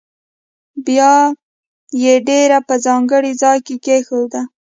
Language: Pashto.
بیا یې ډبره په ځانګړي ځاې کې کېښوده.